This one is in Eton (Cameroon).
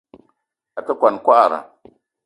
A te kwuan kwagra.